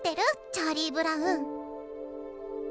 チャーリー・ブラウン」。